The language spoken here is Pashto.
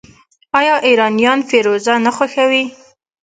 آیا ایرانیان فیروزه نه خوښوي؟